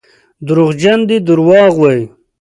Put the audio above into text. دروغجن دي دروغ وايي.